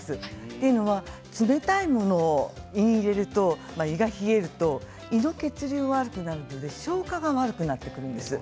というのは冷たいものを入れると胃が冷えると胃の血流が悪くなるので消化が悪くなるんですね。